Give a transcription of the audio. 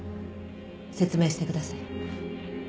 説明してください。